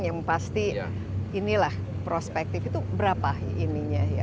yang pasti inilah prospektif itu berapa ininya ya